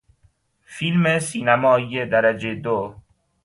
فیلم سینمایی درجهی دو